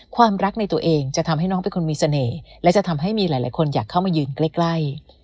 ความรักในตัวเองจะทำให้น้องเป็นคนมีเสน่ห์และจะทำให้มีหลายคนอยากเข้ามายืนใกล้